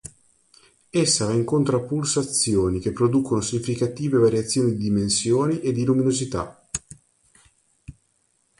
Essa va incontro a pulsazioni che producono significative variazioni di dimensioni e di luminosità.